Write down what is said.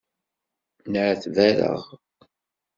Nεetbareɣ.